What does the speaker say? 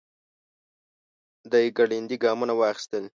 دی ګړندي ګامونه واخيستل.